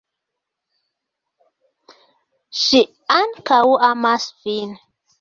Ŝi ankaŭ amas vin.